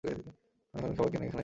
আমরা এখানে সবাই কেন এসেছি?